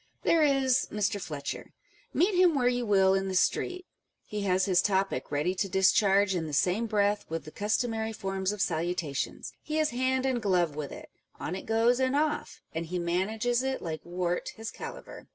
There is [Fletcher ?]â€" meet him where you will in the street, he has his topic ready to discharge in the same breath with the customary forms of salutations ; he is hand and glove with it ; on it goes and off, and he manages it like Wart his caliver.